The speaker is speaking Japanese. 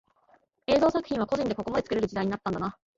映像作品は個人でここまで作れる時代になったんだな